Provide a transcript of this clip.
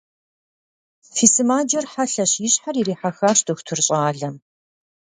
Фи сымаджэр хьэлъэщ, – и щхьэр ирихьэхащ дохутыр щӏалэм.